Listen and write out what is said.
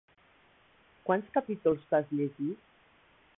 Quants capítols t'has llegit?